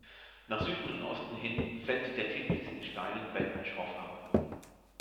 Nach Süden und Osten hin fällt der Titlis in steilen Wänden schroff ab.